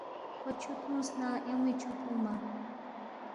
کھو چھُو تھُونگس نہ ایون٘ی چھُو تھونگما